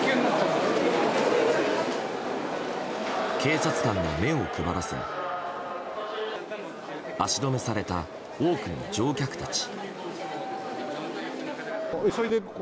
警察官が目を配らせ足止めされた多くの乗客たち。